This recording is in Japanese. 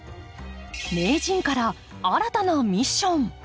名人から新たなミッション。